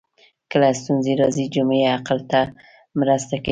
کله ستونزې راځي جمعي عقل مرسته کوي